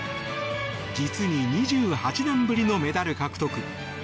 実に２８年ぶりのメダル獲得。